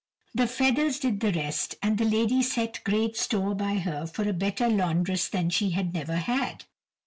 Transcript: The feathers did the rest, and the lady set great store by her for a better laundress she had never had.